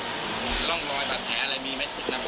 ร่องรอยแบบแผลอะไรมีไหม